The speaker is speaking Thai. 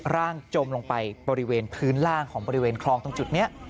จมลงไปบริเวณพื้นล่างของบริเวณคลองตรงจุดนี้